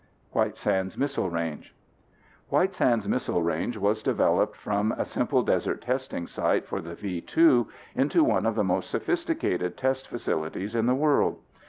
White Sands Missile Range White Sands Missile Range has developed from a simple desert testing site for the V 2 into one of the most sophisticated test facilities in the world.